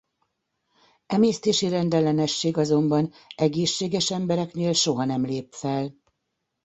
Emésztési rendellenesség azonban egészséges embereknél soha nem lép fel.